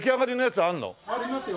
ありますよ。